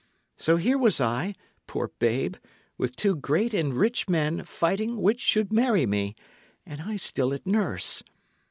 So here was I, poor babe, with two great and rich men fighting which should marry me, and I still at nurse!